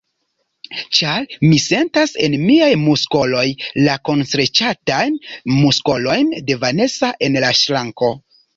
Ĉar mi sentas en miaj muskoloj la kunstreĉatajn muskolojn de Vanesa en la ŝranko.